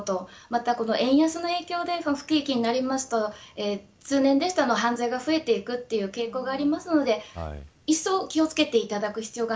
また円安の影響で不景気になると通年ですと犯罪が増えていく傾向がありますので一層、気を付けていただく必要が